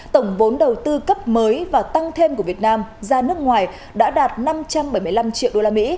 tổng vốn đầu tư cấp mới và tăng thêm của việt nam ra nước ngoài đã đạt năm trăm bảy mươi năm triệu usd